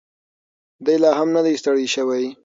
دی لا هم نه دی ستړی شوی.